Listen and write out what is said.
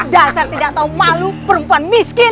dasar tidak tahu malu perempuan miskin